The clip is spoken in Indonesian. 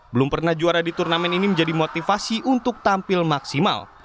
belum pernah juara di turnamen ini menjadi motivasi untuk tampil maksimal